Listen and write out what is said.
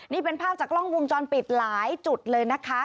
นี่เป็นภาพจากกล้องวงจรปิดหลายจุดเลยนะคะ